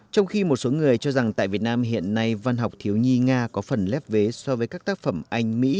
trong khi một số người cho rằng tại việt nam hiện nay văn học thiếu nhi nga có phần lép vế so với các tác phẩm anh mỹ